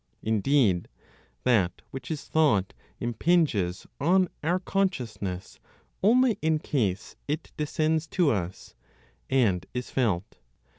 Indeed that which is thought impinges on our consciousness only in case it descends to us, and is felt.